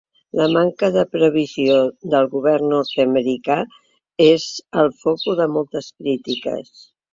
La manca de previsió del govern nord-americà és al focus de moltes crítiques.